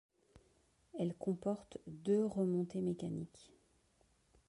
Elle comporte deux remontées mécaniques.